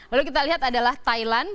lalu kita lihat adalah thailand